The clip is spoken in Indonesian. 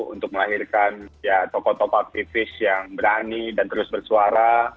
untuk melahirkan tokoh tokoh aktivis yang berani dan terus bersuara